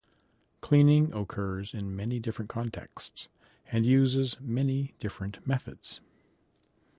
Cleaning occurs in many different contexts, and uses many different methods.